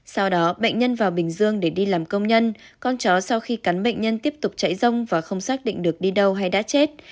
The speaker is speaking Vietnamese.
sau đó bệnh nhân vào bình dương để đi làm công nhân con chó sau khi cắn bệnh nhân tiếp tục chạy rông và không xác định được đi đâu hay đã chết